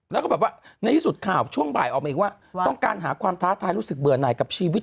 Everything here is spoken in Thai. แล้วก็แบบว่าในที่สุดข่าวช่วงบ่ายออกมาอีกว่าต้องการหาความท้าทายรู้สึกเบื่อไหนกับชีวิต